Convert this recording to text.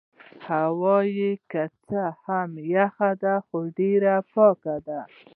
هوا يې که څه هم یخه ده خو ډېره پاکه ده.